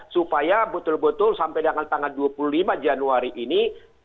supaya betul betul sampai dengan tanggal dua puluh lima januari ini